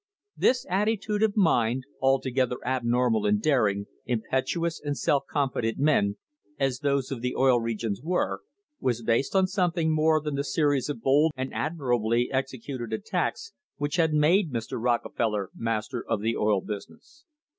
This attitude of mind, altogether abnormal in daring, im petuous, and self confident men, as those of the Oil Regions were, was based on something more than the series of bold and admirably executed attacks which had made Mr. Rocke feller master of the oil business.